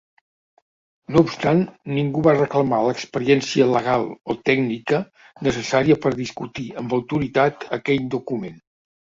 No obstant, ningú va reclamar l'experiència legal o tècnica necessària per discutir amb autoritat aquell document.